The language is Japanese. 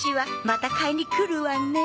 また買いにくるわね。